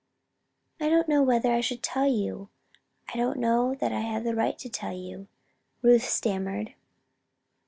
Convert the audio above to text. "I don't know whether I should tell you. I don't know that I have a right to tell you," Ruth stammered.